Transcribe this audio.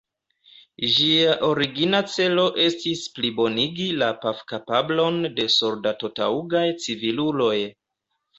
Ĝia origina celo estis plibonigi la paf-kapablon de soldato-taŭgaj civiluloj.